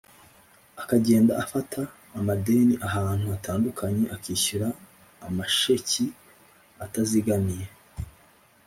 akagenda afata amadeni ahantu hatandukanye akishyura amasheki atazigamiye